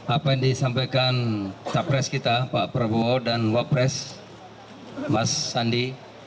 apa yang disampaikan capres kita pak prabowo dan wapres mas sandi